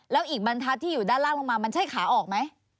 แล้วอีกบรรทัศน์ที่อยู่ด้านล่างลงมามันใช่ขาออกไหม